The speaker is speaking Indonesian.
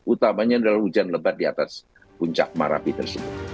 utamanya adalah hujan lebat di atas puncak marapi tersebut